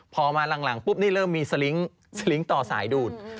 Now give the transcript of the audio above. พอมาหลังปุ๊บนี่เริ่มมีสลิงค์สลิงค์ต่อสายดูด